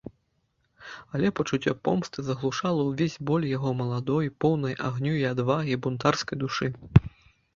Але пачуццё помсты заглушала ўвесь боль яго маладой, поўнай агню і адвагі, бунтарскай душы.